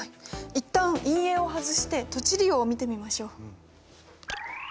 一旦陰影を外して土地利用を見てみましょう。